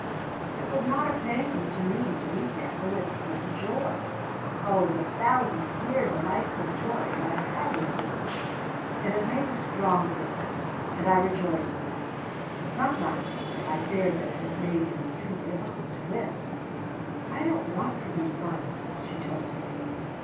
"It was not a pain to me to be careful; it was a joy. Oh, the thousand dear, delightful joys I have had with you!" "It has made you strong, Grizel, and I rejoice in that; but sometimes I fear that it has made you too difficult to win." "I don't want to be won," she told him.